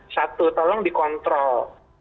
satu tolong dikontrol